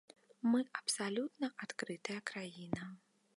Мы абсалютна адкрытая краіна.